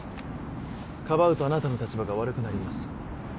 かばうとあなたの立場が悪くなります